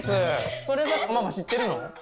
それはママ知ってるの？